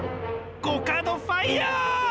コカドファイア！